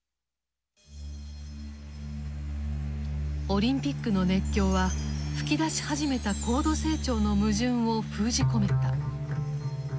オリンピックの熱狂は噴き出し始めた高度成長の矛盾を封じ込めた。